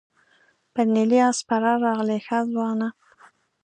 پر نیلي آس سپره راغلې ښه ځوانه.